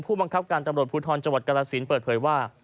ผู้บังคับการตำรวจภูทรจังหวัดกรสินเปิดเผยว่า